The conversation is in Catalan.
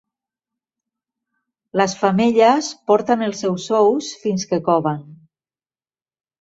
Les femelles porten els seus ous fins que coven.